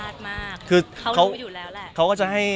เดี๋ยวคอไปดูวันก่อนนะฮะ